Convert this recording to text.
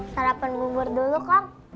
sarapan gugur dulu kong